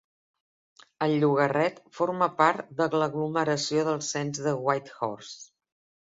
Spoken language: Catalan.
El llogarret forma part de l'aglomeració del cens de Whitehorse.